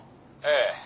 ええ。